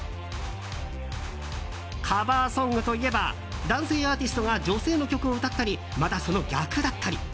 カバーソングといえば男性アーティストが女性の曲を歌ったりまた、その逆だったり。